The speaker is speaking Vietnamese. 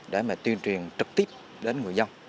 để mà tuyên truyền trực tiếp đến người dân